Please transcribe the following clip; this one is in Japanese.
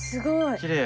きれい。